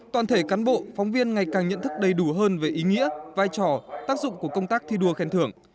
toàn thể cán bộ phóng viên ngày càng nhận thức đầy đủ hơn về ý nghĩa vai trò tác dụng của công tác thi đua khen thưởng